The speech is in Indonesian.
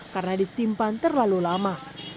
karena disimpan terlalu lama